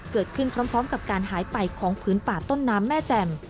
พร้อมกับการหายไปของพื้นป่าต้นน้ำแม่แจ่ม